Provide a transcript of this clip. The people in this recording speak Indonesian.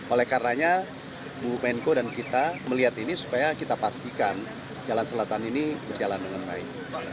oleh karenanya bu menko dan kita melihat ini supaya kita pastikan jalan selatan ini berjalan dengan baik